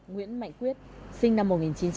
nguyễn mạnh quyết sinh năm một nghìn chín trăm tám mươi ba